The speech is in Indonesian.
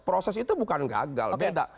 proses itu bukan gagal beda